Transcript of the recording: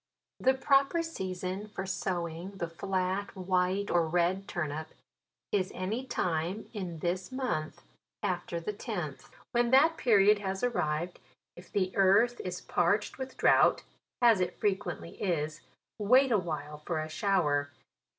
The proper season for sowing the flat white or red turnip, is any time in this month after the tenth. Vvhen that period lias arrived. if the earth is parched with drought, as it fre quently is, wait a while for a shower.